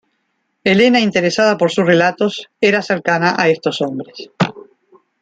Elena, interesada por sus relatos, era cercana a estos hombres.